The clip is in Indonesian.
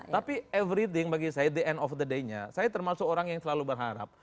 tapi everything bagi saya the end of the day nya saya termasuk orang yang selalu berharap